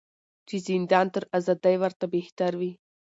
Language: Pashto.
چي زندان تر آزادۍ ورته بهتر وي